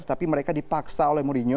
tapi mereka dipaksa oleh mourinho